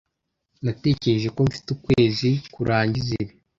Natekereje ko mfite ukwezi kurangiza ibi.